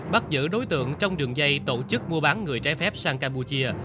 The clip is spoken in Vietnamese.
bắt giữ đối tượng trong đường dây tổ chức mua bán người trái phép sang campuchia